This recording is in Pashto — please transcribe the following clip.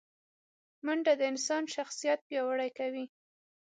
منډه د انسان شخصیت پیاوړی کوي